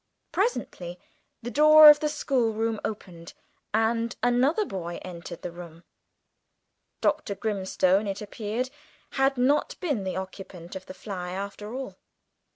Presently the door of the schoolroom opened, and another boy entered the room. Dr. Grimstone, it appeared, had not been the occupant of the fly, after all.